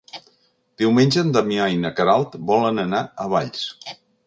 Diumenge en Damià i na Queralt volen anar a Valls.